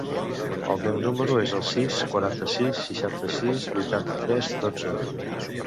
El meu número es el sis, quaranta-sis, seixanta-sis, vuitanta-tres, dotze.